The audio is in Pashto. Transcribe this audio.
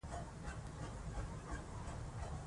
که کتاب وي نو عقل نه پاتیږي.